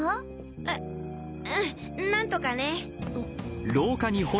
ううん何とかね。